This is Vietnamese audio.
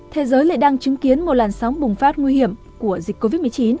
thế giới lại đang chứng kiến một làn sóng bùng phát nguy hiểm của dịch covid một mươi chín